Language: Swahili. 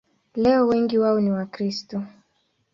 Leo wengi wao ni Wakristo.